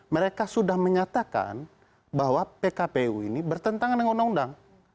mereka sudah menyatakan bahwa pkpu ini bertentangan dengan undang undang